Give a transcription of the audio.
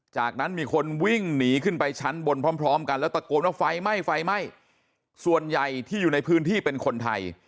จากนั้นมีคนวิ่งหนีขึ้นไปชั้นบนพร้อมพร้อมกันแล้วตะโกนว่าไฟไหม้ไฟไหม้ส่วนใหญ่ที่อยู่ในพื้นที่เป็นคนไทย